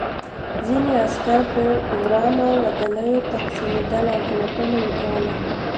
ځینې عسکر په ورانو ودانیو تقسیمېدل او پلټنه یې کوله